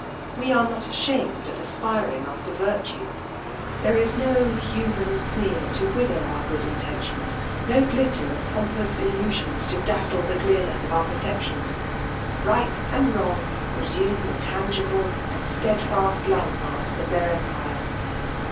We are not ashamed of aspiring after virtue. There is no husMii aaeer to wither our good intentioils; no gutter of pompous ilhisions to dassle the cleamesi) of ^ur perceptions ; right and wrong tesume th^ tangible and stedfast land marks of theiir empire.